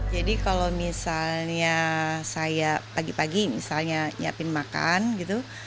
jadi kalau misalnya saya pagi pagi misalnya nyiapin makan gitu